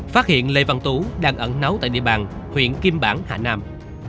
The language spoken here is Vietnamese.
phát hiện lê văn tú đang ẩn nấu tại địa bàn huyện kim bảng hà nam